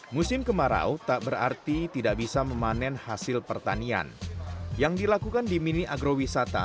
musim kemarau tak berarti tidak bisa memanen hasil pertanian yang dilakukan di mini agrowisata